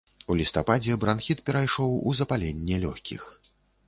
У лістападзе бранхіт перайшоў у запаленне лёгкіх.